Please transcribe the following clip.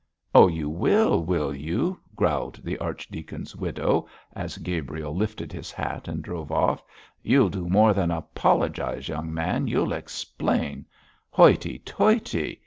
'Oh, you will, will you?' growled the archdeacon's widow, as Gabriel lifted his hat and drove off; 'you'll do more than apologise, young man, you'll explain. Hoity toity!